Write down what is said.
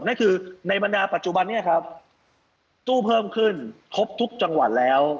นั่นคือในบรรดาปัจจุบันนี้ครับตู้เพิ่มขึ้นครบทุกจังหวัดแล้ว